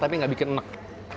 ini nggak bikin enak